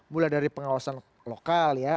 mulai dari pengawasan lokal ya